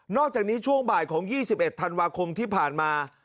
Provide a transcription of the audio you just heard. อกจากนี้ช่วงบ่ายของ๒๑ธันวาคมที่ผ่านมา